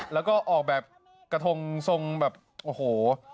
แล้วก็ออกแบบกระทงทรงแบบโอ้โห